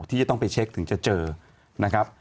ที่จะต้องไปเช็คถึงจะเจอนะครับ